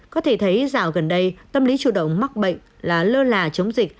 có thể thấy dạo gần đây tâm lý chủ động mắc bệnh là lơ là chống dịch